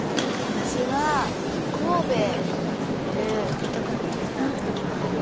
私は神戸に住んでるいとこに書きます。